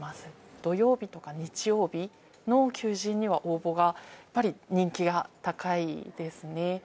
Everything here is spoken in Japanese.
土曜日とか日曜日の求人には応募がやっぱり人気が高いですね。